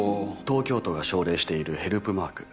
東京都が奨励しているヘルプマーク。